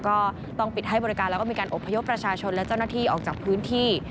ก็ต้องปิดให้บริการแล้วก็มีการอบพยพประชาชนและเจ้าหน้าที่ออกจากพื้นที่